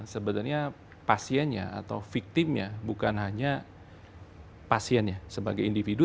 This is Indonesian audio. sebenarnya pasiennya atau victimnya bukan hanya pasiennya sebagai individu